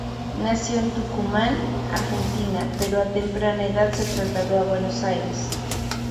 Nació en Tucumán, Argentina, pero a temprana edad se trasladó a Buenos Aires.